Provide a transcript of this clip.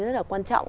rất là quan trọng